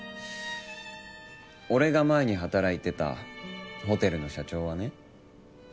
俺が前に働いてたホテルの社長はね